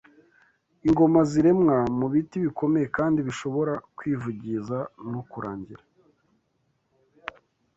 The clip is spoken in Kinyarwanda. Ingoma ziremwa mu biti bikomeye kandi bishobora kwivugiza no kurangira